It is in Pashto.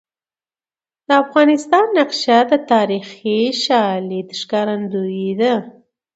د افغانستان نقشه د تاریخي شالید ښکارندوی ده.